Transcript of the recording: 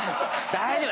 大丈夫。